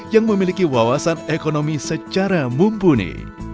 yang memiliki wawasan ekonomi secara mumpuni